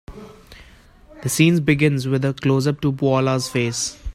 The scene begins with a closeup to Paula's face.